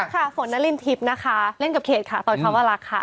ค่ะฝนนารินทิพย์นะคะเล่นกับเขตค่ะตอนคำว่ารักค่ะ